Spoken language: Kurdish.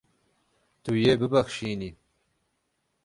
Tu yê bibexşînî.